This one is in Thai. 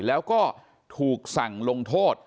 แล้วก็ถูกสั่งลงโทษ